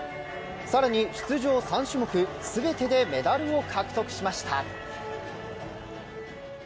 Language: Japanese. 更に、出場３種目全てでメダルを獲得しました。